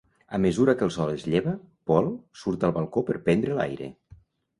A mesura que el sol es lleva, Paul surt al balcó per prendre l'aire.